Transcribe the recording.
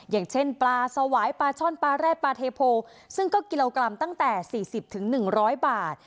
อย่างเช่นปลาสวายปลาช่อนปลาแรดปลาเทโพซึ่งก็กิโลกรัมตั้งแต่สี่สิบถึงหนึ่งร้อยบาท